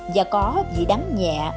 và có vị đắng nhẹ